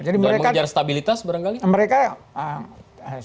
dan mengejar stabilitas barangkali